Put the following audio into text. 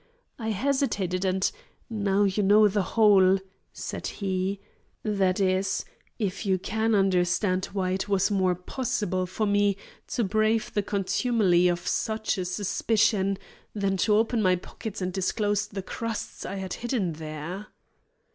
I hesitated and now you know the whole," said he; "that is, if you can understand why it was more possible for me to brave the contumely of such a suspicion than to open my pockets and disclose the crusts I had hidden there."